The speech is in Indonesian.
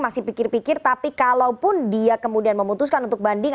masih pikir pikir tapi kalaupun dia kemudian memutuskan untuk banding